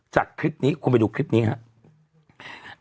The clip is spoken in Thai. จากคลิปนี้คุณไปดูคลิปนี้ครับ